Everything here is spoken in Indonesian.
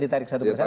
itu dulu pak ya